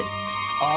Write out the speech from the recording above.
ああ。